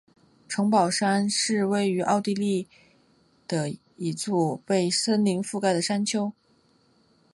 城堡山是位于奥地利格拉兹的一处被森林覆盖的山丘。